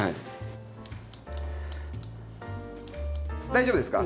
大丈夫ですか？